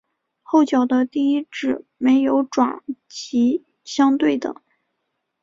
后脚的第一趾没有爪及相对的。